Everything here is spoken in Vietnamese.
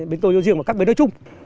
bến tôi do riêng và các bến nói chung